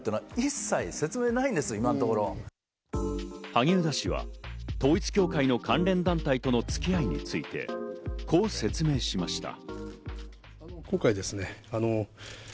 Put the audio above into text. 萩生田氏は統一教会の関連団体とのつき合いについてこう説明しました。